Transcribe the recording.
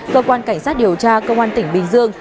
cơ quan cảnh sát điều tra công an tỉnh bình dương